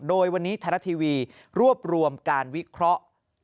โดยวันนี้ไทยรัฐทีวีรวบรวมการวิเคราะห์